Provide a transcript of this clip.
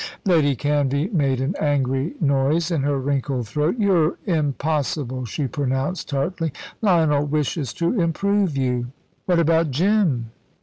Lady Canvey made an angry noise in her wrinkled throat. "You're impossible," she pronounced tartly. "Lionel wishes to improve you." "What about Jim?